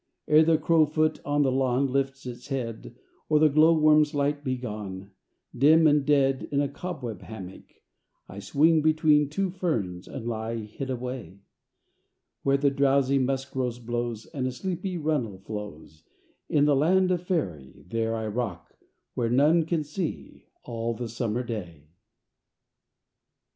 III Ere the crowfoot on the lawn Lifts its head, Or the glow worm's light be gone, Dim and dead, In a cobweb hammock I Swing between two ferns and lie Hid away; Where the drowsy musk rose blows And a sleepy runnel flows, In the land of Faery, There I rock, where none can see, All the summer day.